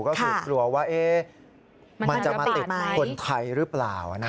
ก็คือกลัวว่ามันจะมาติดคนไทยหรือเปล่า